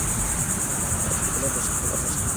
Las flores de color rosa.